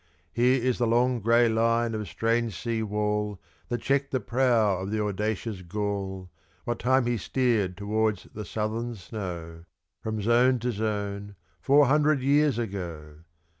*2* Here is the long grey line of strange sea wall That checked the prow of the audacious Gaul, What time he steered towards the southern snow, From zone to zone, four hundred years ago!